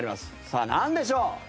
さあ、なんでしょう？